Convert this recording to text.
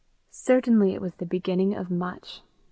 Certainly it was the beginning of much.